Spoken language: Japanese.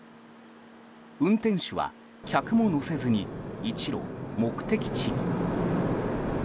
運転手は客も乗せずに一路、目的地に。